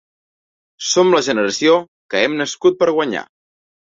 Som la generació que hem nascut per guanyar.